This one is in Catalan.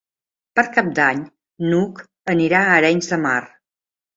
Per Cap d'Any n'Hug anirà a Arenys de Mar.